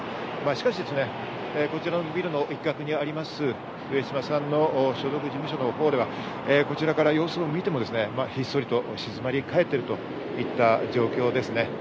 しかしですね、こちらのビルの一角にあります上島さんの所属事務所のホールはこちらから様子を見ても、ひっそりと静まりかえっているといった状況です。